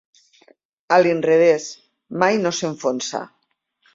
A l'inrevés, mai no s'enfonsa.